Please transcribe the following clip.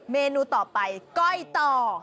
เมนูต่อไปก้อยต่อ